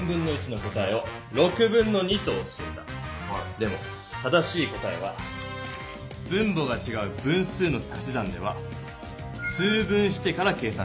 でも正しい答えは分母がちがう分数のたし算では通分してから計算します。